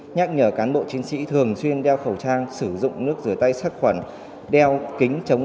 nhận được sự quan tâm chỉ đạo của công an quận hai bà trưng